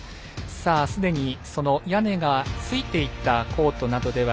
すでに屋根がついていたコートなどでは